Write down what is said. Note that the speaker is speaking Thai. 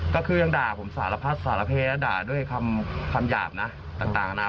ก็คือยังด่าผมสารพัดสารเพศและด่าด้วยคำหยาบนะต่างนะ